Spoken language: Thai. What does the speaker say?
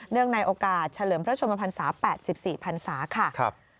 ในโอกาสเฉลิมพระชนมพันศา๘๔พันศาค่ะ